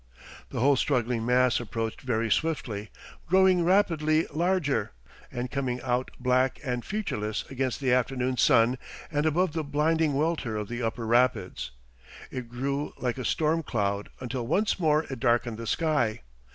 The whole struggling mass approached very swiftly, growing rapidly larger, and coming out black and featureless against the afternoon sun and above the blinding welter of the Upper Rapids. It grew like a storm cloud until once more it darkened the sky.